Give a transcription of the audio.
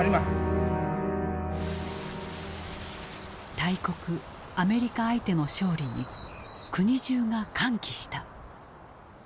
大国アメリカ相手の勝利に国中が歓喜した。